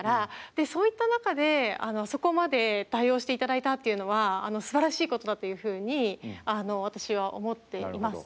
そういった中であそこまで対応して頂いたっていうのはすばらしいことだというふうに私は思っています。